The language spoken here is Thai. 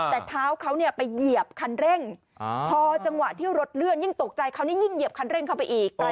แต่เท้าเขาไปเหยียบคันเร่งตกใจผมถึงเหยียบคันเร่งเข้าไปอีก